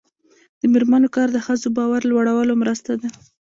د میرمنو کار د ښځو باور لوړولو مرسته ده.